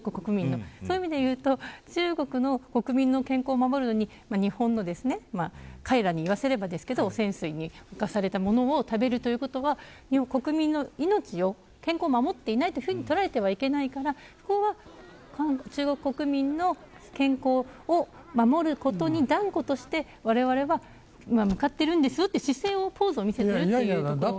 そういう意味で言うと中国の国民の健康を守るのに彼らに言わせれば日本の汚染水に侵されたものを食べるというのは国民の健康を守っていないというふうにとられてはいけないと思うから中国国民の健康を守ることに断固としてわれわれは向かっているんですという姿勢を見せているんじゃないですかね。